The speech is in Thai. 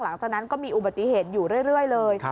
หลังจากนั้นก็มีอุบัติเหตุอยู่เรื่อยเลย